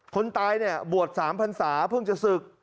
คนตายบวชสามพันศาเพิ่งจะศึก